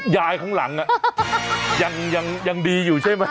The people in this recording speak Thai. ยายของหลังยังดีอยู่ใช่มั้ย